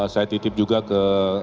saya titip juga ke